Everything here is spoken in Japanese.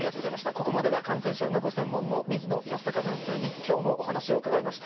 ここまでは感染症がご専門の水野泰孝先生に、きょうもお話を伺いました。